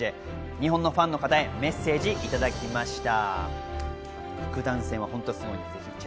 日本のファンの方へメッセージいただきました。